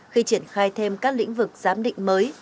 khi triển khai thêm các lĩnh vực giám định mới